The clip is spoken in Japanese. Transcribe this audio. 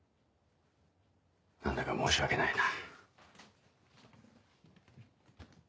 何だか申し訳ないな。